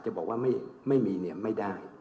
จะบอกว่าไม่มีไม่ได้